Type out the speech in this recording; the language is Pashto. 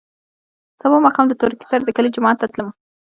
سبا ماښام له تورکي سره د کلي جومات ته تلم.